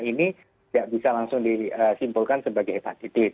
ini tidak bisa langsung disimpulkan sebagai hepatitis